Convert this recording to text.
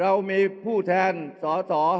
เอาข้างหลังลงซ้าย